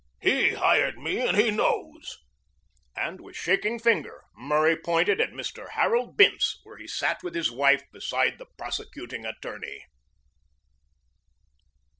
He hired me and he knows," and with shaking finger Murray pointed at Mr. Harold Bince where he sat with his wife beside the prosecuting attorney.